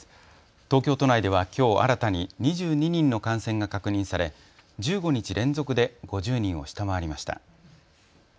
東京都内ではきょう新たに２２人の感染が確認され１５日連続で５０人を下回りました。